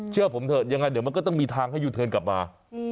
เชื่อผมเถอะยังไงเดี๋ยวมันก็ต้องมีทางให้ยูเทิร์นกลับมา